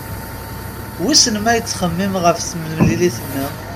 Wissen ma yettxemmim ɣef temlilit-nneɣ?